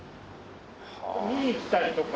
見に来たりとか。